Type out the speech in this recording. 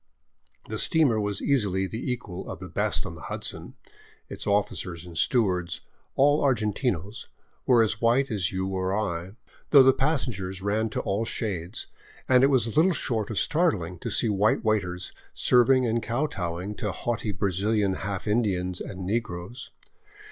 The steamer was easily the equal of the best on the Hudson ; its officers and stewards, all argentinos, were as white as you or I, though the passengers ran to all shades, and it was little short of startling to see white waiters serving and kowtowing to haughty Brazilian half In dians and negroes.